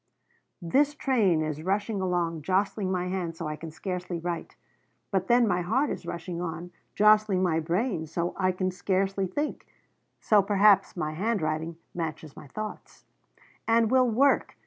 "This train is rushing along jostling my hand so I can scarcely write. But then my heart is rushing on jostling my brain so I can scarcely think, so perhaps my handwriting matches my thoughts. "And we'll work!